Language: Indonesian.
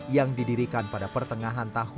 yang didirikan pada pertengahan tahun dua ribu enam belas